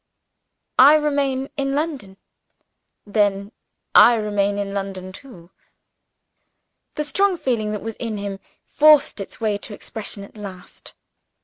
"I remain in London." "Then I remain in London, too." The strong feeling that was in him had forced its way to expression at last.